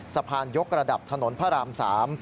สะพานยกระดับถนนพระราม๓